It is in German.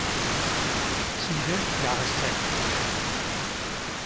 Siehe: Jahreszeiten Verlag